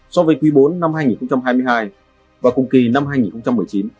so với quý bốn năm hai nghìn hai mươi hai và cùng kỳ năm hai nghìn một mươi chín